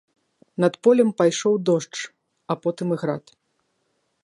Над полем пайшоў дождж, а потым і град.